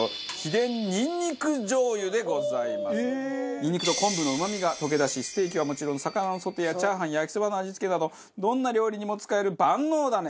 ニンニクと昆布のうまみが溶け出しステーキは、もちろん魚のソテーやチャーハン焼きそばの味付けなどどんな料理にも使える万能ダレ！